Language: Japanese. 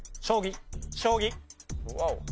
将棋。